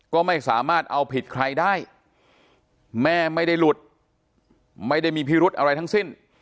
ก็ไม่สามารถเอาผิดใครได้แม่ไม่ได้หลุดไม่ได้มีพิรุธอะไรทั้งสิ้น